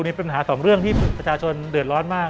นี่เป็นปัญหาสองเรื่องที่ประชาชน